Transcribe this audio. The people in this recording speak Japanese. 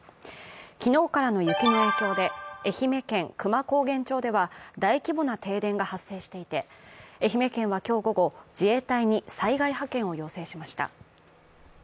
昨日からの雪の影響で愛媛県久万高原町で大規模な停電が発生していて愛媛県は今日午後、自衛隊に災害派遣を要請しました。